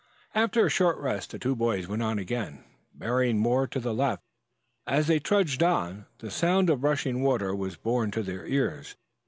After a short rest the two boys went on again, bearing more to the left. As they trudged on the sound of rushing water was borne to their ears.